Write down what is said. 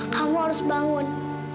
kamu harus bangun